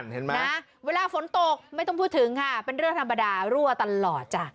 เห็นไหมนะเวลาฝนตกไม่ต้องพูดถึงค่ะเป็นเรื่องธรรมดารั่วตลอดจ้ะ